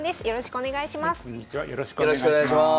よろしくお願いします。